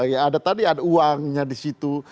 ya ada tadi ada uangnya di situ